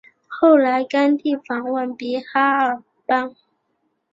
后来甘地访问比哈尔邦。